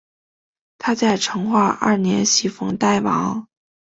他在成化二年袭封代王。